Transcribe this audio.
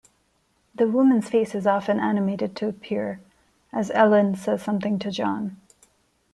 The woman's face is often animated to appear, as Ellen says something to John.